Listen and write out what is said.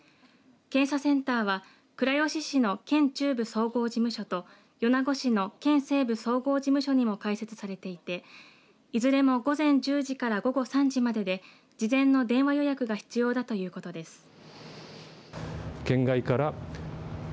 検査センターは倉吉市の県中部総合事務所と米子市の県西部総合事務所にも開設されていていずれも午前１０時から午後３時までで事前の電話予約が必要だということです。